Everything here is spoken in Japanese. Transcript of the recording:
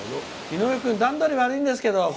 井上君段取り悪いんですけど。